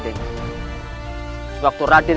teman sang tu miser